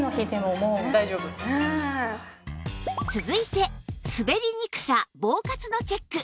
続いて滑りにくさ防滑のチェック